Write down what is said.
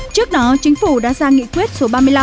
trước đó chính phủ đã ra nghị quyết số ba mươi năm